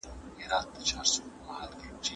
د نظام دوام يې له اشخاصو مهم باله.